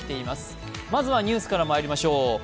ますはニュースからまいりましょう。